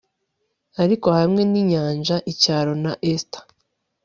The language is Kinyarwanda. Ariko hamwe ninyanja icyaro na ether